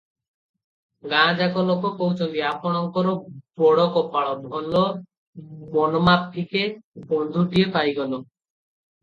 ଗାଁଯାକ ଲୋକ କହୁଛନ୍ତି, ଆପଣଙ୍କର ବଡ଼ କପାଳ, ଭଲ ମନମାଫିକେ ବନ୍ଧୁଟିଏ ପାଇଗଲେ ।